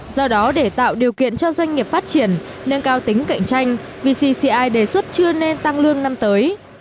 do đó để tạo điều kiện cho doanh nghiệp phát triển nâng cao tính cạnh tranh vcci đề xuất chưa nên tăng lương năm tới